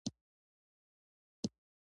پکورې له مغز سره نه جوړېږي